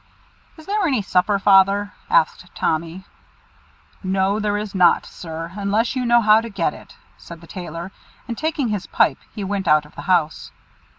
"Is there any supper, Father?" asked Tommy. "No, there is not, Sir, unless you know how to get it," said the Tailor; and taking his pipe, he went out of the house.